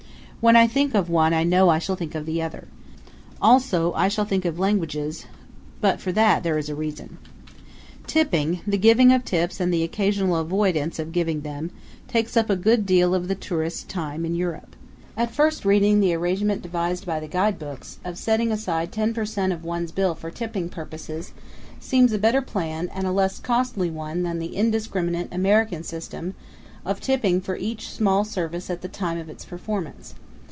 When I think of one I know I shall think of the other. Also I shall think of languages; but for that there is a reason. Tipping the giving of tips and the occasional avoidance of giving them takes up a good deal of the tourist's time in Europe. At first reading the arrangement devised by the guidebooks, of setting aside ten per cent of one's bill for tipping purposes, seems a better plan and a less costly one than the indiscriminate American system of tipping for each small service at the time of its performance.